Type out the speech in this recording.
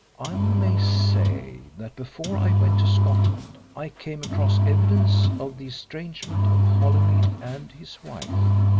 I may say that before I went to Scotland I came across evidence of the estrangement of Holymead and his wife.